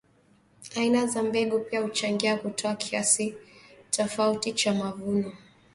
Aina za mbegu pia huchangia kutoa kiasi tofauti cha mavuno